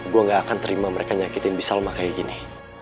gua nggak akan terima mereka nyakitin bisa ma kayak gini